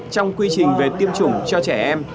trong quy trình về tiêm chủng cho trẻ em